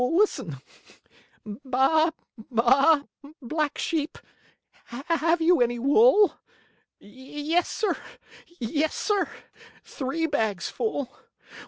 Listen! "'Baa baa, black sheep, have you any wool? Yes, sir; yes, sir; three bags full.